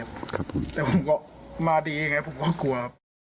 ผมก็มาดีอย่างไรผมก็กลัวครับ